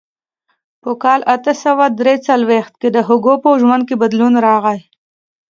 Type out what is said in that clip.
په کال اته سوه درې څلوېښت کې د هوګو په ژوند کې بدلون راغی.